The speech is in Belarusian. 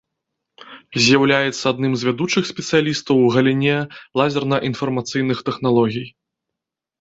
З'яўляецца адным з вядучых спецыялістаў у галіне лазерна-інфармацыйных тэхналогій.